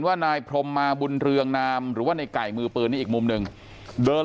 ว่านายพรมมาบุญเรืองนามหรือว่าในไก่มือปืนนี่อีกมุมหนึ่งเดิน